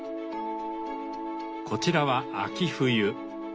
こちらは秋冬。